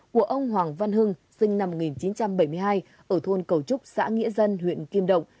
của ông hoàng văn hưng sinh năm một nghìn chín trăm bảy mươi hai ở thôn cầu trúc xã nghĩa dân huyện kim động